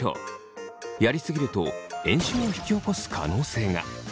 やりすぎると炎症を引き起こす可能性が。